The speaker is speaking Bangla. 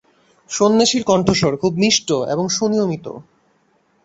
সন্ন্যাসীর কণ্ঠস্বর খুব মিষ্ট এবং সুনিয়মিত।